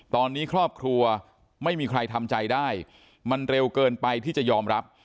ตอนนี้ครอบครัวไม่มีใครทำใจได้มันเร็วเกินไปที่จะยอมรับ